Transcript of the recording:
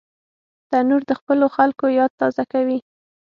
تنور د خپلو خلکو یاد تازه کوي